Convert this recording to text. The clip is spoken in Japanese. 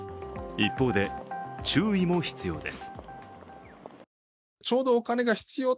一方で、注意も必要です。